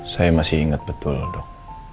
saya masih ingat betul dok